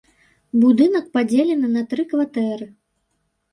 Будынак падзелены на тры кватэры.